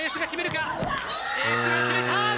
エースが決めた！